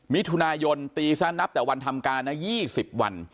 มิถุนายนตีซะนับแต่วันทำการนะ๒๐วัน